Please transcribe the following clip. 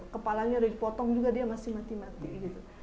kepalanya udah dipotong juga dia masih mati mati gitu